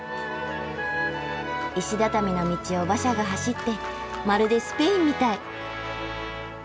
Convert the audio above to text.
石畳の道を馬車が走ってまるでスペインみたい。